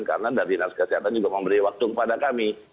karena dari dinas kesehatan juga memberi waktu kepada kami